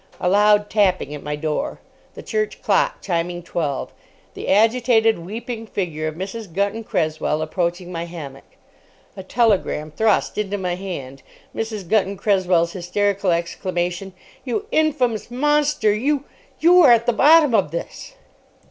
A loud tapping at my door. The church clock chiming twelve. The agitated, weeping figure of Mrs. Gunton Cresswell approaching my hammock. A telegram thrust into my hand. Mrs. Gunton Cresswell's hysterical exclamation, "You infamous monster—you—you are at the bottom of this."